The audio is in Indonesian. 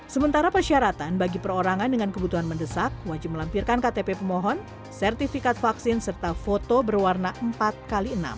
sementara persyaratan bagi perorangan dengan kebutuhan mendesak wajib melampirkan ktp pemohon sertifikat vaksin serta foto berwarna empat x enam